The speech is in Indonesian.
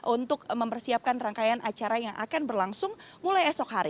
untuk mempersiapkan rangkaian acara yang akan berlangsung mulai esok hari